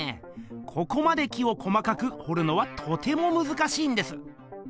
ここまで木を細かくほるのはとてもむずかしいんです。